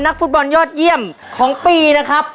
ฟุตบอลยอดเยี่ยมของปีนะครับ